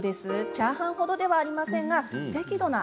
チャーハンほどではありませんが適度な。